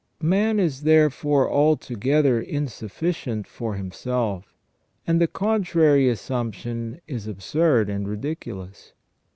Man is there fore altogether insufficient for himself, and the contrary assumption is absurd and ridiculous.